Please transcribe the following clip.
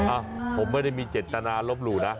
อ่ะผมไม่ได้มีเจตนาลบหลู่นะ